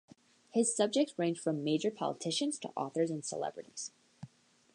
His subjects ranged from major politicians to authors and celebrities.